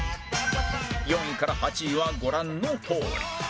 ４位から８位はご覧のとおり